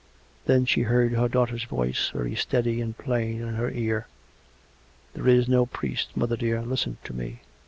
Then she heard her daughter's voice, very steady and plain, in her ear. " There is no priest, mother dear. Listen to me."